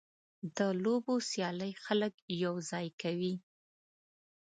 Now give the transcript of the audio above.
د لوبو سیالۍ خلک یوځای کوي.